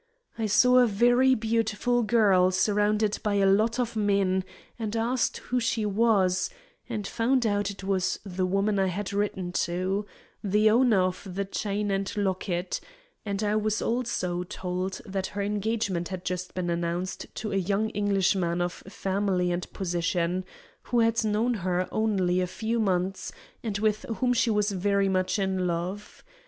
I saw a very beautiful girl surrounded by a lot of men, and asked who she was, and found out it was the woman I had written to, the owner of the chain and locket; and I was also told that her engagement had just been announced to a young Englishman of family and position, who had known her only a few months, and with whom she was very much in love.